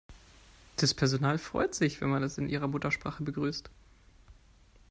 Das Personal freut sich, wenn man es in ihrer Muttersprache begrüßt.